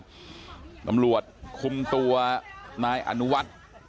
มานะครับคุณผู้ชมครับอำรวจคุมตัวนายอนุวัตร